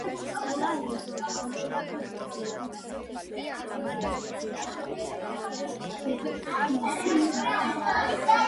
ყველა რეზოლუცია აგრძელებდა საქართველოში გაეროს დამკვირვებელთა მისიის მოქმედებას.